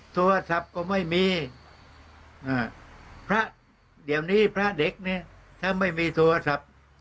โทรศัพท์ก็ไม่มีพระเดี๋ยวนี้พระเด็กเนี่ยถ้าไม่มีโทรศัพท์